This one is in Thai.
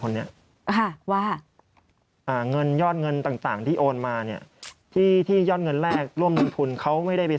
คนนี้ว่าเงินยอดเงินต่างที่โอนมาเนี่ยที่ที่ยอดเงินแรกร่วมลงทุนเขาไม่ได้ไป